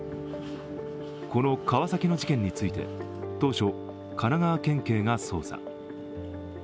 この川崎の事件について当初、神奈川県警が捜査。